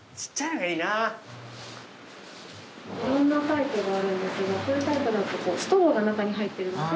いろんなタイプがあるんですがこういうタイプだとストローが中に入ってるので。